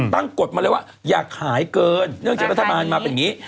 กฎมาเลยว่าอย่าขายเกินเนื่องจากรัฐบาลมาเป็นอย่างนี้